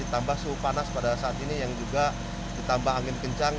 ditambah suhu panas pada saat ini yang juga ditambah angin kencang